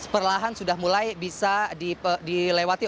perlahan sudah mulai bisa dilewati